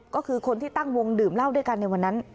ก็คือคนที่ตั้งวงดื่มเหล้าด้วยกันในวันนั้น